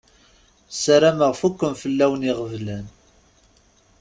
Sarameɣ fukken fell-awen iɣeblan.